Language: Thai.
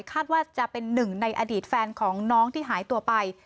คาดว่าจะเป็นหนึ่งในอดีตแฟนของน้องที่หายตัวไป